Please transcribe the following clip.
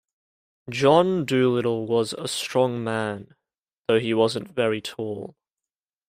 John Dolittle was a strong man, though he wasn’t very tall.